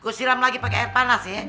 gue siram lagi pakai air panas ya